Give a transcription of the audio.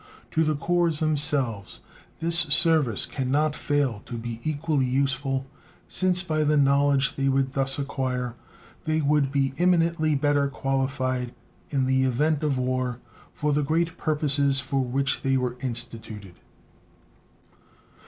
To the corps themselves this service can not fail to be equally useful, since by the knowledge they would thus acquire they would be eminently better qualified in the event of war for the great purposes for which they were instituted.